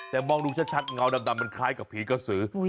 แต่มองดูชัดเงาดำมันคล้ายกับผีกระสือ